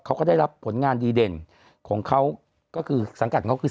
เขาก็ได้รับผลงานดีเด่นของเขาก็คือสังกัดเขาคือ